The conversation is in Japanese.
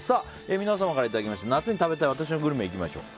皆さんからいただいた夏に食べたい私のグルメいきましょう。